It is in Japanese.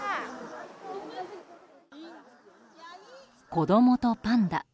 子供とパンダ。